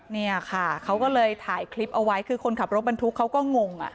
เนี่ยค่ะเขาก็เลยถ่ายคลิปเอาไว้คือคนขับรถบรรทุกเขาก็งง